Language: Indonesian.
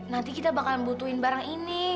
nanti kita bakal butuhin barang ini